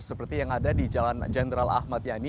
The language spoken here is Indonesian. seperti yang ada di jalan jenderal ahmad yani